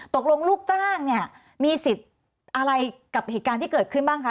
ลูกจ้างเนี่ยมีสิทธิ์อะไรกับเหตุการณ์ที่เกิดขึ้นบ้างคะ